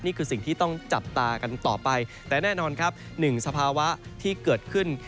นี่คือสิ่งที่ต้องจับตากันต่อไปแต่แน่นอนครับหนึ่งสภาวะที่เกิดขึ้น